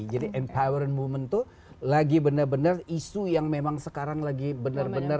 jadi empowering moment tuh lagi benar benar isu yang memang sekarang lagi benar benar